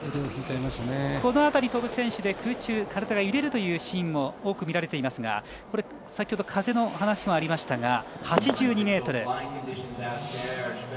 この辺りを飛ぶ選手で空中で体が揺れるというシーンも多く見られていますが先ほど、風の話もありましたが８２ｍ。